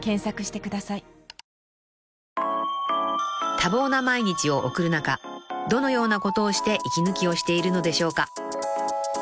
［多忙な毎日を送る中どのようなことをして息抜きをしているのでしょうか］